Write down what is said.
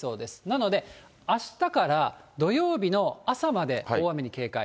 なので、あしたから土曜日の朝まで大雨に警戒。